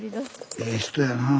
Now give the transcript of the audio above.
ええ人やなあ。